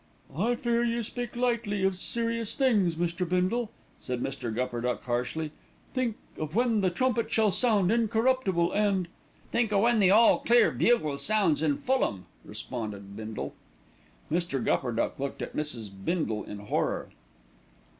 "I fear you speak lightly of serious things, Mr. Bindle," said Mr. Gupperduck harshly. "Think of when the trumpet shall sound incorruptible and !" "Think o' when the all clear bugle sounds in Fulham," responded Bindle. Mr. Gupperduck looked at Mrs. Bindle in horror.